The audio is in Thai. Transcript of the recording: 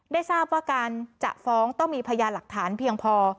ได้ทราบว่าการจะฟ้องต้องมีพยานหลักฐานเพียงพอ